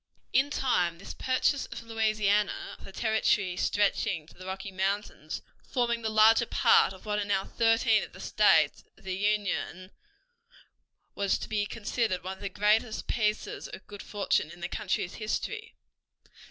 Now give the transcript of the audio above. In time this purchase of Louisiana, or the territory stretching to the Rocky Mountains, forming the larger part of what are now thirteen of the states of the Union, was to be considered one of the greatest pieces of good fortune in the country's history.